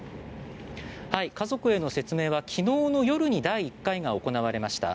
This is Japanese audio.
家族への説明は昨日の夜に第１回が行われました。